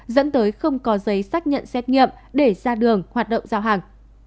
dẫn tới không có giấy xác nhận xét nghiệm để ra đường hoạt động giao hàng